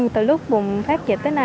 từ lúc bùng phép dịch tới nay